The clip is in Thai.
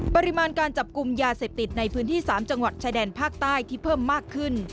ปริมาณการจับกลุ่มยาเสพติดในพื้นที่๓จังหวัดชายแดนภาคใต้ที่เพิ่มมากขึ้น